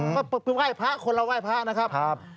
ก็ไปไหว้พระคนเราไหว้พระนะครับ